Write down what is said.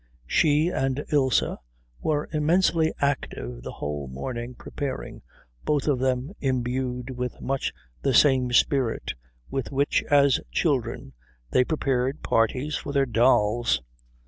She and Ilse were immensely active the whole morning preparing, both of them imbued with much the same spirit with which as children they prepared parties for their dolls.